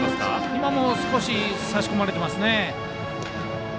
今も少し差し込まれていますね。